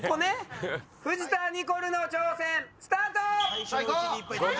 藤田ニコルの挑戦スタート！